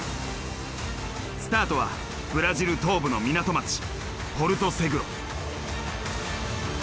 スタートはブラジル東部の港町ポルトセグロ。